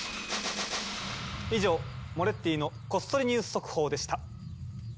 以上「モレッティのこっそりニュース速報」でした。